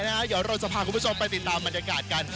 เดี๋ยวเราจะพาคุณผู้ชมไปติดตามบรรยากาศกัน